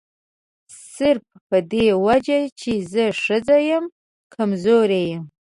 صرف په دې وجه چې زه ښځه یم کمزوري یم.